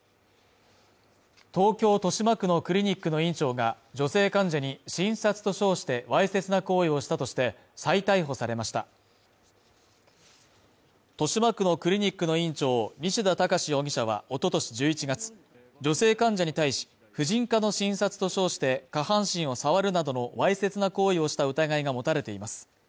東京・豊島区のクリニックの院長が女性患者に診察と称してわいせつな行為をしたとして再逮捕されました豊島区のクリニックの院長西田隆容疑者は、おととし１１月、女性患者に対し、婦人科の診察と称して、下半身を触るなどのわいせつな行為をした疑いが持たれています。